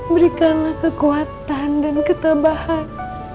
berikanlah kekuatan dan ketabahan